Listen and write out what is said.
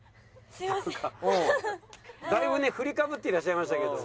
だいぶね振りかぶっていらっしゃいましたけれども。